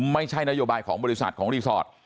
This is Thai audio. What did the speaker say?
ไม่ใช่นโยบายของบริษัทของรีสอร์ท